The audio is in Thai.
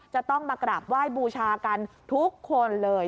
จะต้องมากราบไหว้บูชากันทุกคนเลย